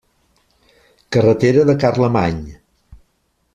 Carretera de Carlemany.